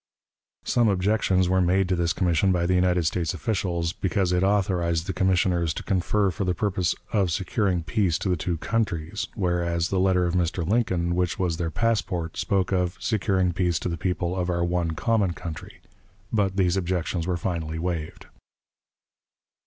Some objections were made to this commission by the United States officials, because it authorized the commissioners to confer for the purpose "of securing peace to the two countries"; whereas the letter of Mr. Lincoln, which was their passport, spoke of "securing peace to the people of our one common country." But these objections were finally waived.